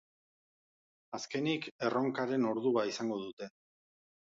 Azkenik, erronkaren ordua izango dute.